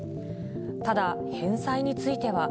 ただ、返済については。